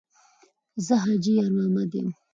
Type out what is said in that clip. ـ زه حاجي یارمحمد یم.